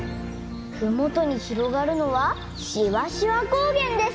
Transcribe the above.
ふもとにひろがるのはしわしわこうげんです！